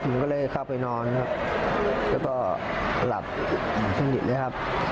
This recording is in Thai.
ผมก็เลยเข้าไปนอนครับแล้วก็หลับสนิทเลยครับ